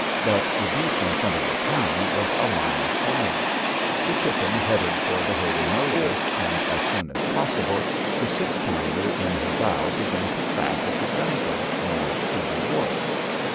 But the beach in front of the town was a line of fire. The Chicken headed for the Holy Moses and, as soon as possible, the six pounder in her bow began to crack at the gunboat moored to the wharf.